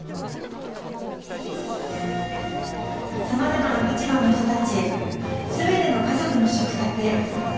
さまざまな立場の人たちへ全ての家族の食卓へ。